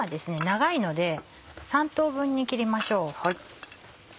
長いので３等分に切りましょう。